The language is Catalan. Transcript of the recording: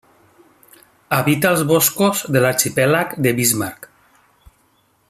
Habita els boscos de l'arxipèlag de Bismarck.